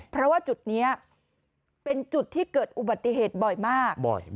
เพราะว่าจุดนี้เป็นจุดที่เกิดอุบัติเหตุบ่อยมาก